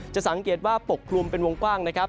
จะสังเกตว่าปกคลุมเป็นวงกว้างนะครับ